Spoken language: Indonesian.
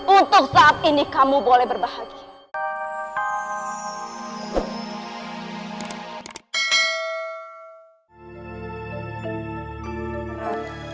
untuk saat ini kamu boleh berbahagia